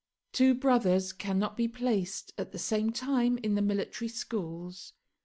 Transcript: Two brothers cannot be placed at the same time in the military schools."